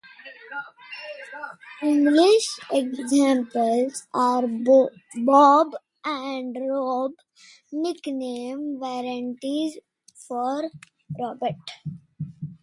English examples are Bob and Rob, nickname variants for Robert.